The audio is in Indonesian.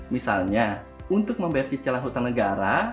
misalnya untuk membayar cicilan hutan negara